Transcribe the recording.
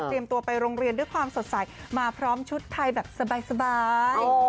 ตัวไปโรงเรียนด้วยความสดใสมาพร้อมชุดไทยแบบสบาย